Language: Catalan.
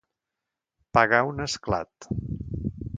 Pegar un esclat.